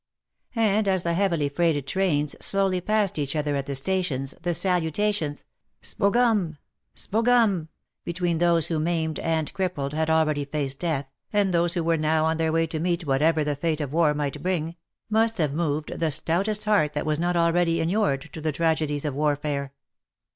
And as the heavily freighted trains slowly passed each other at the stations, the salutations " Sbogom ! Sbogom !" between those who, maimed and crippled, had already faced death, and those who were now on their way to meet whatever the fate of war might bring, must have moved the stoutest heart that was not already inured to the tragedies of warfare.